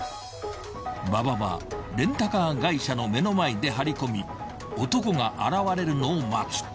［馬場はレンタカー会社の目の前で張り込み男が現れるのを待つ］